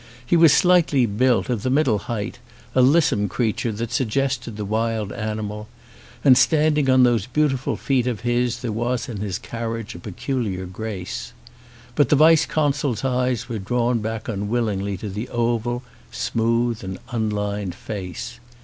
He was slightly built, of the middle height, a lissome crea ture that suggested the wild animal, and standing on those beautiful feet of his there was in his carriage a peculiar grace. But the vice consul's eyes were drawn back unwillingly to the oval, smooth, and unlined face.